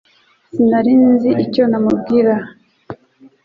Sinari nzi icyo namubwira